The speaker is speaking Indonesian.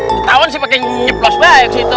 ketauan sih pake nyeblos baik gitu